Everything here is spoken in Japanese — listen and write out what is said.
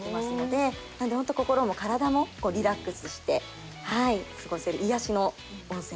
ホント心も体もリラックスして過ごせる癒やしの温泉です。